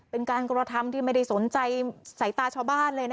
เป็นการกระทำที่ไม่ได้สนใจสายตาชาวบ้านเลย